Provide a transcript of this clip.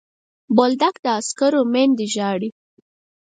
بولدک د عسکرو میندې ژاړي.